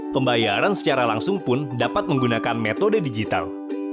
pembayaran secara langsung pun dapat menggunakan metode digital